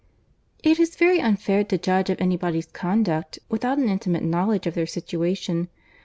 "It is very unfair to judge of any body's conduct, without an intimate knowledge of their situation.